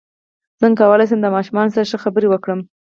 څنګه کولی شم د ماشومانو سره ښه خبرې وکړم